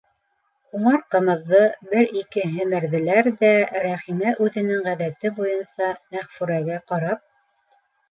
Улар ҡымыҙҙы бер-ике һемерҙеләр ҙә, Рәхимә үҙенең ғәҙәте буйынса Мәғфүрәгә ҡарап: